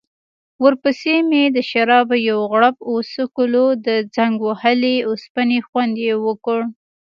ورپسې مې د شرابو یو غوړپ وڅکلو، د زنګ وهلې اوسپنې خوند يې وکړ.